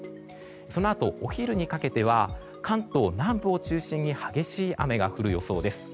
そのあと、お昼にかけては関東南部を中心に激しい雨が降る予想です。